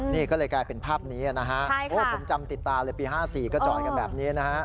นี่ก็เลยกลายเป็นภาพนี้นะฮะโอ้ผมจำติดตาเลยปี๕๔ก็จอดกันแบบนี้นะฮะ